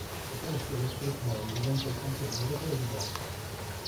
E presto lo street boy diventa il campione europeo di boxe.